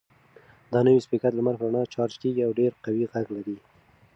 دا نوی سپیکر د لمر په رڼا چارج کیږي او ډېر قوي غږ لري.